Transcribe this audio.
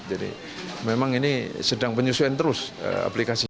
jadi memang ini sedang penyusuan terus aplikasi